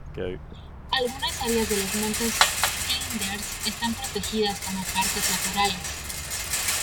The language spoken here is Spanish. Algunas áreas de los Montes Flinders están protegidas como parques naturales.